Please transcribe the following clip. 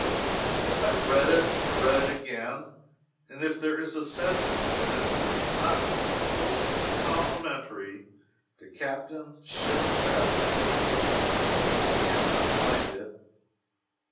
I have read it, and read it again; and if there is a sentence in it that is not fulsomely complimentary to captain, ship and passengers, I can not find it.